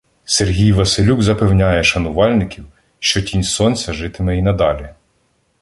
Сергій Василюк запевняє шанувальників, що «Тінь Сонця» житиме і надалі.